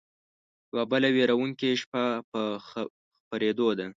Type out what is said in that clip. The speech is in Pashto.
يوه بله وېرونکې شپه په خپرېدو ده